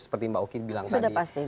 seperti mbak uki bilang tadi